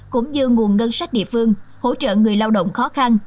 cũng như nguồn ngân sách địa phương hỗ trợ người lao động khó khăn